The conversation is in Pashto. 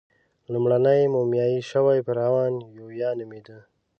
لومړنی مومیایي شوی فرعون یویا نومېده.